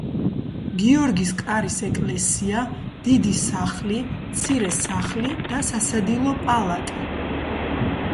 გიორგის კარის ეკლესია, დიდი სახლი, მცირე სახლი და სასადილო პალატი.